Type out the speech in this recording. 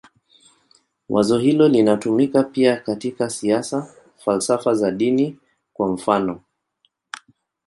Wazo hilo linatumika pia katika siasa, falsafa na dini, kwa mfanof.